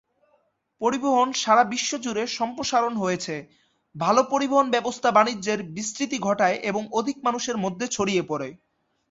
পরিবহন সারা বিশ্বজুড়ে সম্প্রসারণ হয়েছে; ভাল পরিবহন ব্যবস্থা বাণিজ্যের বিস্তৃতি ঘটায় এবং অধিক মানুষের মধ্যে ছড়িয়ে পড়ে।